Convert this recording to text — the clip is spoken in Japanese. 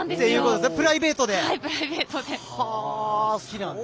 はい、プライベートで。